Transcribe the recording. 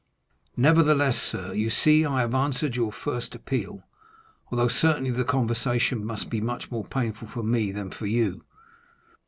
"Nevertheless, sir, you see I have answered your first appeal, although certainly the conversation must be much more painful for me than for you."